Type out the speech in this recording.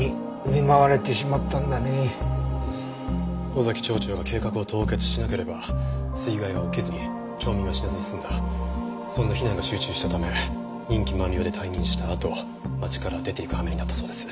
尾崎町長が計画を凍結しなければ水害は起きずに町民は死なずに済んだそんな非難が集中したため任期満了で退任したあと町から出ていく羽目になったそうです。